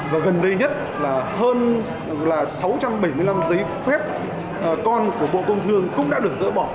và gần đây nhất là hơn sáu trăm bảy mươi năm giấy phép con của bộ công thương cũng đã được dỡ bỏ